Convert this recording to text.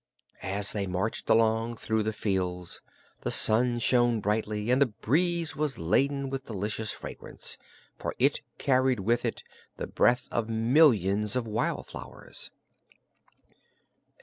As they marched along through the fields, the sun shone brightly and the breeze was laden with delicious fragrance, for it carried with it the breath of millions of wildflowers.